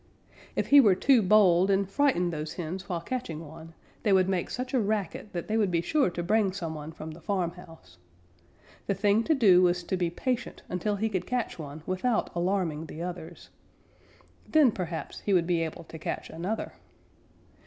If he were too bold and frightened those hens while catching one, they would make such a racket that they would be sure to bring some one from the farmhouse. The thing to do was to be patient until he could catch one without alarming the others. Then perhaps he would be able to catch another.